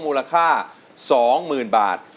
มูลค่าสองหมื่นบาท